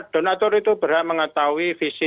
donator itu berhak mengetahui visi